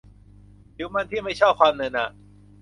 ผิวมันที่ไม่ชอบความเหนอะหนะ